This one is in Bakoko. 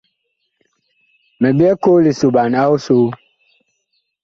Mi byɛɛ koo lisoɓan a ɔsoo.